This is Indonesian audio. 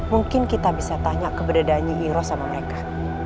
mungkin kita bisa tanya keberadaannya iro sama mereka